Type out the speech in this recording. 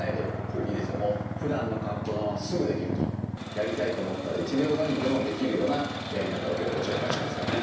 やりたいと思ったら１秒後にでもできるようなやり方を今日ご紹介しますからね。